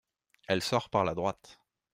Elle sort par la droite.